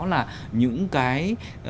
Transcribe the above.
là những cái